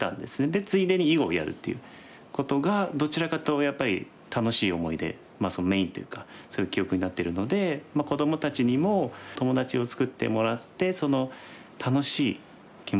でついでに囲碁をやるっていうことがどちらかというとやっぱり楽しい思い出そのメインというかそういう記憶になってるのでさてカンカン先生の力強い味方からメッセージです。